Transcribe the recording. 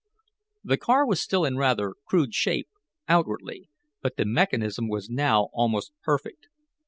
The car was still in rather crude shape, outwardly, but the mechanism was now almost perfect.